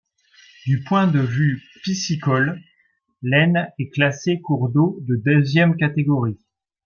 Du point de vue piscicole, l'Aisne est classée cours d'eau de deuxième catégorie.